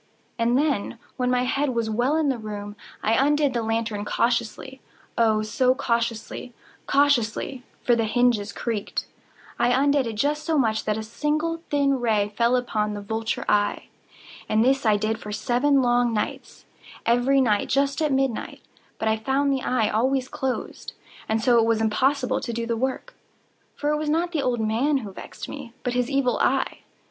And then, when my head was well in the room, I undid the lantern cautiously—oh, so cautiously—cautiously (for the hinges creaked)—I undid it just so much that a single thin ray fell upon the vulture eye. And this I did for seven long nights—every night just at midnight—but I found the eye always closed; and so it was impossible to do the work; for it was not the old man who vexed me, but his Evil Eye.